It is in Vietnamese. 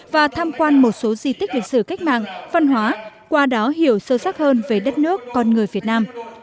và tham quan một số di tích lịch sử cách mạng văn hóa qua đó hiểu sâu sắc hơn về đất nước con người việt nam